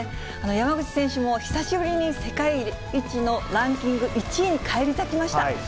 山口選手も久しぶりに世界一のランキング１位に返り咲きました。